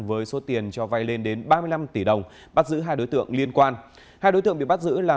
với số tiền cho vay lên đến ba mươi năm tỷ đồng bắt giữ hai đối tượng liên quan hai đối tượng bị bắt giữ là